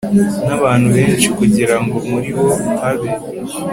n abantu benshi kugira ngo muri bo habe